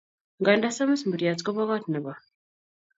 Nganda samis muriat kopo kot nepo.